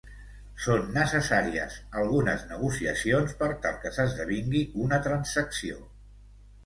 Són necessàries algunes negociacions per tal que s'esdevingui una transacció.